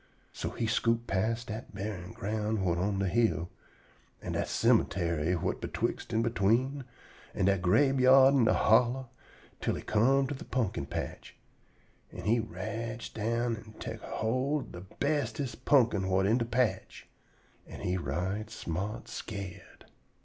So he scoot past dat buryin' ground whut on de hill, an' dat cemuntary whut betwixt an' between, an' dat grabeyard in de hollow, twell he come to de pumpkin patch, an' he rotch down an' tek erhold ob de bestest pumpkin whut in de patch. An' he right smart scared.